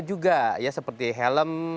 juga seperti helm